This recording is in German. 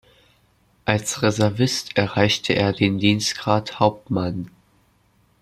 Als Reservist erreichte er den Dienstgrad Hauptmann.